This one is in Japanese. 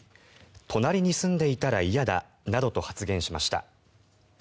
隣に住んでいたら嫌だなどと発言しました。